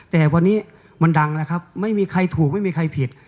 แต่วันนี้มันดังแล้วครับไม่มีใครถูกไม่มีใครผิด